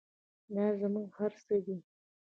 دا زموږ هر څه دی